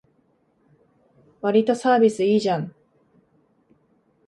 わりとサービスいいじゃん